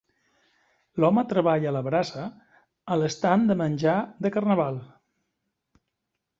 L'home treballa a la brasa a l'estand de menjar de carnaval.